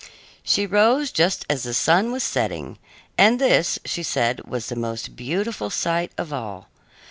She rose just as the sun was setting, and this, she said, was the most beautiful sight of all.